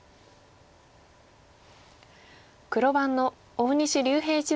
黒番の大西竜平七段です。